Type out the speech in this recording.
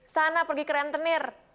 sana pergi ke rentenir